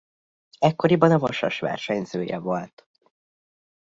Ekkoriban a Vasas versenyzője volt.